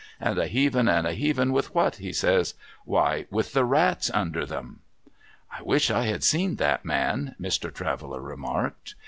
And a heaving and a heaving with what ?" he says. " ^^'hy, with the rats under 'em." '' I wish I had seen that man,' Mr. Traveller remarked.